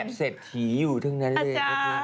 พวกแผดเศษทีอยู่ทั้งนั้นเลย